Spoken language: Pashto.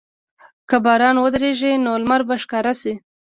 که باران ودریږي، نو لمر به راښکاره شي.